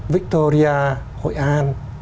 victoria hội an